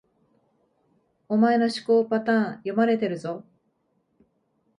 お前の思考パターン、読まれてるぞ